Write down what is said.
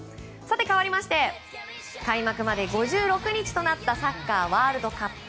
かわりまして開幕まで５６日となったサッカー、ワールドカップ。